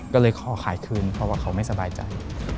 ก็เลยขอขายคืนเพราะว่าเขาไม่สบายใจ